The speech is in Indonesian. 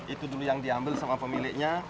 itu dulu yang diambil sama pemiliknya